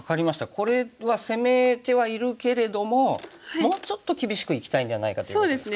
これは攻めてはいるけれどももうちょっと厳しくいきたいんじゃないかということですか？